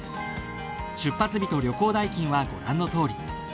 出発日と旅行代金はご覧のとおり。